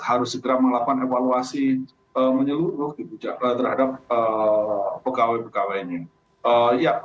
harus segera melakukan evaluasi menyeluruh terhadap pegawai pegawainya